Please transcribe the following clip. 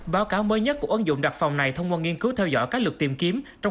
báo cáo mới nhất của ứng dụng đặc phòng này thông qua nghiên cứu theo dõi các lượt tìm kiếm trong